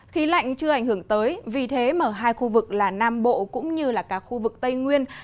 khí lạnh chưa ảnh hưởng tới vì thế mà ở hai khu vực là nam bộ cũng như là cả khu vực tây nguyên